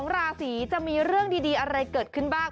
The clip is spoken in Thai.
ราศีจะมีเรื่องดีอะไรเกิดขึ้นบ้าง